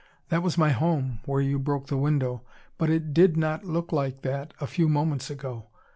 That was my home, where you broke the window. But it did not look like that a few moments ago.